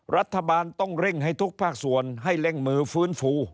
รัฐบาลต้องเร่งให้ทุกภาคส่วนให้เร่งมือฟื้นฟู